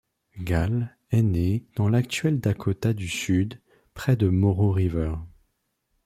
Gall est né dans l'actuel Dakota du Sud près de Moreau River.